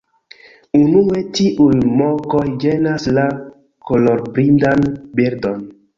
Unue, tiuj mokoj ĝenas la kolorblindan birdon.